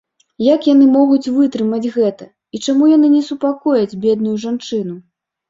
Як яны могуць вытрымаць гэта і чаму яны не супакояць бедную жанчыну?